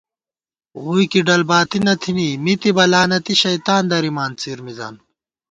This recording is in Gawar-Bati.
ووئی کی ڈل باتی نہ تھنی مِتِبہ، لعنتی شیطان درِبہ څِر مِزان